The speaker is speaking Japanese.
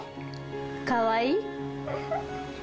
かわいい？